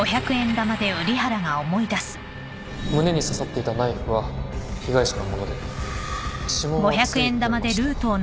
胸に刺さっていたナイフは被害者の物で指紋は付いてました